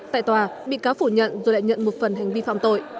tại tòa bị cáo phủ nhận rồi lại nhận một phần hành vi phạm tội